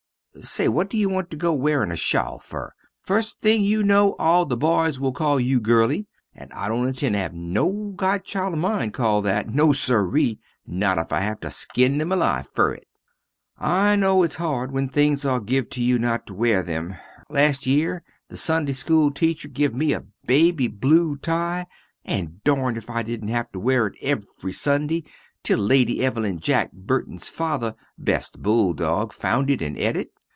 Say what you want to go wearin a shawl fer, fust thing you no all the boys will call you girly, and I dont intend to have no godchild of mine cald that, no siree, not if I have to skin them alive fer it. I no its hard when things are give to you not to wear them, last yere the Sunday school teacher give me a baby blew tie and darn if I didn't have to wear it every Sunday till Lady Evelin Jack Burtons fathers best bull dog found it and et it.